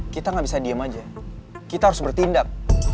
kita gak bisa diem aja kita harus bertindak